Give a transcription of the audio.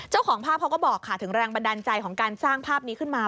เจ้าของภาพเขาก็บอกค่ะถึงแรงบันดาลใจของการสร้างภาพนี้ขึ้นมา